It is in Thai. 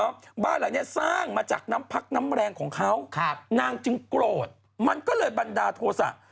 ว่าบ้านหลังนี้สร้างมาจากน้ำพักน้ำแรงของเขาครับนางจึงโกรธมันก็เลยบันดาลโทษะ